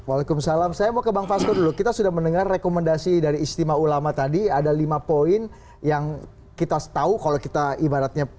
waalaikumsalam saya mau ke bang fasko dulu kita sudah mendengar rekomendasi dari istimewa ulama tadi ada lima poin yang kita tahu kalau kita ibaratnya